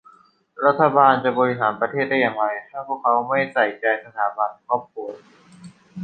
รัฐบาลจะบริหารประเทศได้อย่างไรถ้าพวกเขาไม่ใส่ใจสถาบันครอบครัว